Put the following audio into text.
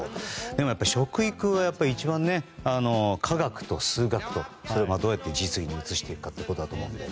でもやっぱり食育は一番、科学と数学とそれをどうやって実技に移していくかということだと思うので。